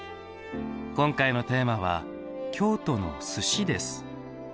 今回のテーマは「京都の寿司」です。